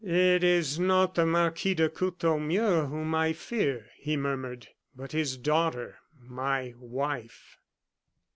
"It is not the Marquis de Courtornieu whom I fear," he murmured, "but his daughter my wife."